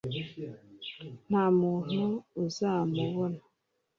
nta muntu uzamubona;